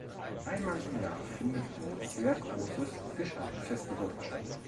Einmal im Jahr findet ein sehr großes Fischer-Festival statt.